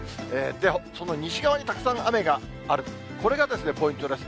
その西側にたくさん雨がある、これがポイントです。